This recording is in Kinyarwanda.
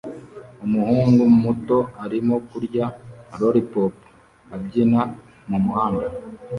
Umuhungu muto arimo kurya lollipop abyina mumuhanda